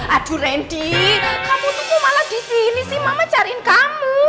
aduh randy kamu tunggu malah disini sih mama cariin kamu